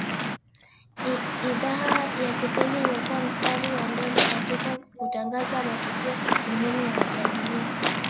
idhaa ya kiswahili imekua mstari wa mbele katika kutangaza matukio muhimu ya dunia